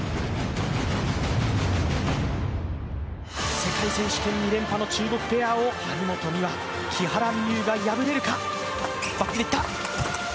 世界選手権２連覇の張本美和、木原美悠が破れるか。